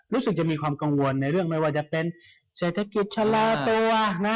รู้สึกจะมีความกังวลในเรื่องไม่ว่าจะเป็นเศรษฐกิจชะลอตัวนะ